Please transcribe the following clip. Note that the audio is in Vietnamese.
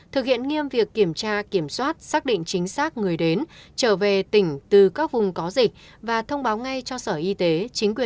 thực hiện nghiêm việc kiểm tra kiểm soát xác định chính xác người đến trở về tỉnh từ các vùng có dịch